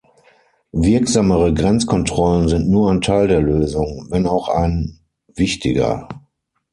Wirksamere Grenzkontrollen sind nur ein Teil der Lösung, wenn auch ein wichtiger.